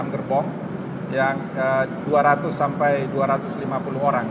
enam gerbong yang dua ratus sampai dua ratus lima puluh orang